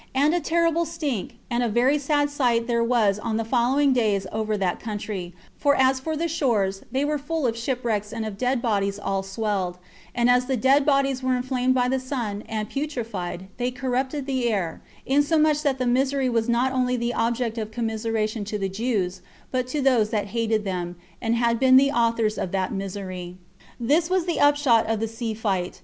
And a terrible stink, and a very sad sight there was on the following days over that country; for as for the shores, they were full of shipwrecks, and of dead bodies all swelled; and as the dead bodies were inflamed by the sun, and putrefied, they corrupted the air, insomuch that the misery was not only the object of commiseration to the Jews, but to those that hated them, and had been the authors of that misery. This was the upshot of the sea fight.